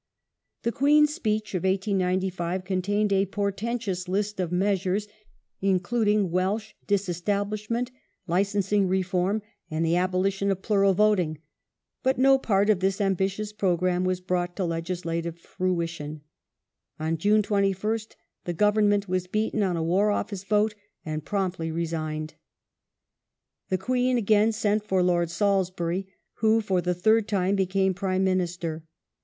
The Queen's Speech of 1895 contained a portentous list of measures, including Welsh Disestablishment, Licensing Reform, and the abolition of Plural Voting, but no part of this ambitious programme was brought to legislative fruition ; on June 21st the Government was beaten on a War Office vote and promptly resigned. llie Queen again sent for Lord Salisbury, who for the third The time became Prime Minister.